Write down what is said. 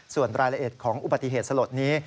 ส่วนรายละเอียดของอุบัติเหตุสลดนี้